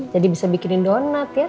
jadi bisa bikinin donat ya